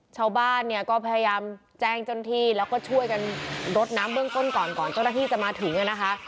ชาวบ้านเนี่ยก็พยายามแจ้งเจ้าหน้าที่แล้วก็ช่วยกันรดน้ำเบื้องต้นก่อนก่อนเจ้าหน้าที่จะมาถึงนะคะ